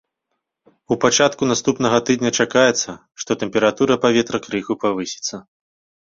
У пачатку наступнага тыдня чакаецца, што тэмпература паветра крыху павысіцца.